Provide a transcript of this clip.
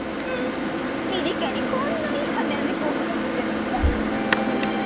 身近にこんないい花嫁候補がいるってのにさ！